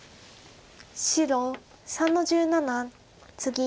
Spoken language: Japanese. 白３の十七ツギ。